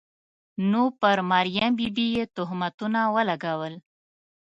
نو پر مریم بي بي یې تهمتونه ولګول.